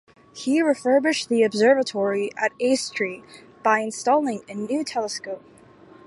He refurbished the observatory at Arcetri by installing a new telescope.